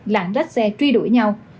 lặng rách xe truy đuổi nhau